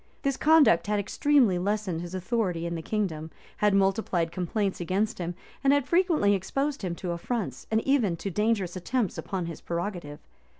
This conduct had extremely lessened his authority in the kingdom; had multiplied complaints against him; and had frequently exposed him to affronts, and even to dangerous attempts upon his prerogative.